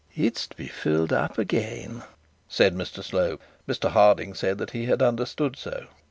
'It's to be filled up again,' said Mr Slope. Mr Harding said that he had understood so.